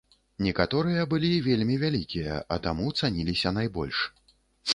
Некаторыя былі вельмі вялікія, а таму цаніліся найбольш.